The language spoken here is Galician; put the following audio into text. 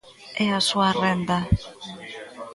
É a súa renda.